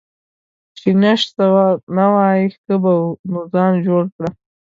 چې نشه نه وای ښه به وو، نو ځان جوړ کړه.